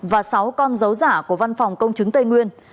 và sáu con dấu giả của văn phòng công chứng tây nguyên